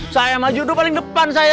saya maju dulu paling depan saya